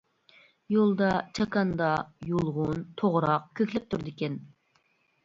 يولدا چاكاندا، يۇلغۇن، توغراق كۆكلەپ تۇرىدىكەن.